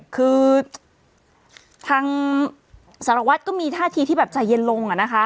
คือทางสารวัตรก็มีท่าทีที่แบบใจเย็นลง